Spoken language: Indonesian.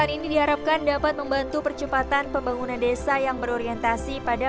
ini diharapkan dapat membantu percepatan pembangunan desa yang berorientasi pada